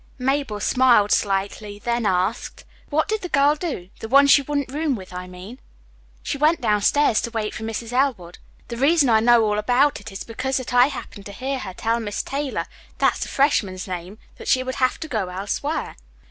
Mabel smiled slightly, then asked, "What did the girl do the one she wouldn't room with, I mean?" "She went downstairs to wait for Mrs. Elwood. The reason I know all about it is because I happened to hear her tell Miss Taylor, that's the freshman's name, that she would have to go elsewhere.